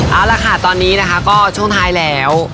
เอาละค่ะตอนนี้นะคะก็ช่วงท้ายแล้ว